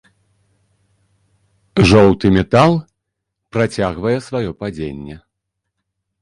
Жоўты метал працягвае сваё падзенне.